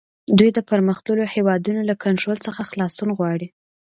دوی د پرمختللو هیوادونو له کنټرول څخه خلاصون غواړي